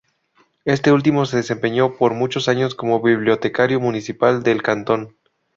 Este último, se desempeñó por muchos años como el Bibliotecario Municipal del Cantón.